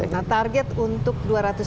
nah target untuk